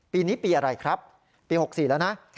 ปีนี้ปีอะไรครับปี๖๔แล้วนะ